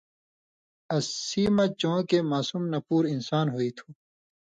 اسی مہ چون٘کے ماسُم نہ پُور اِنسان ہُوئ تُھُو